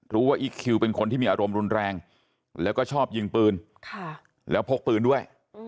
อีคคิวเป็นคนที่มีอารมณ์รุนแรงแล้วก็ชอบยิงปืนแล้วพกปืนด้วย